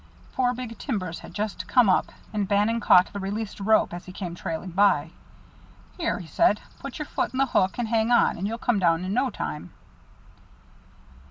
Four big timbers had just come up and Bannon caught the released rope as it came trailing by. "Here," he said; "put your foot in the hook and hang on, and you'll come down in no time."